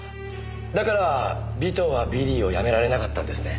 だから尾藤はビリーをやめられなかったんですね。